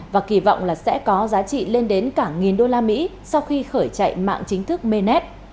và kỳ vọng là sẽ có giá trị lên đến cả một usd sau khi khởi chạy mạng chính thức mainnet